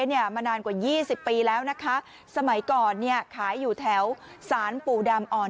เนี่ยมานานกว่ายี่สิบปีแล้วนะคะสมัยก่อนเนี่ยขายอยู่แถวสารปู่ดำอ่อน